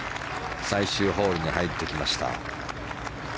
最終ホールに入ってきました。